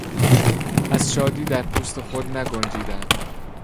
از شادی در پوست خود نگنجیدن